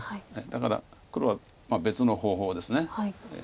だから黒は別の方法です。